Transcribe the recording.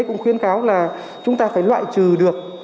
cũng khuyến cáo là chúng ta phải loại trừ được